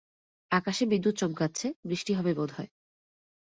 আকাশে বিদ্যুৎ চমকাচ্ছে, বৃষ্টি হবে বোধহয়।